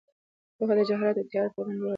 پوهه د جهالت او تیارو په وړاندې یوازینۍ رڼا ده.